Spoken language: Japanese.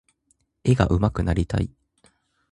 絵が上手くなりたい。